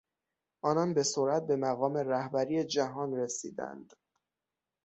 آنان به سرعت به مقام رهبری جهان رسیدند.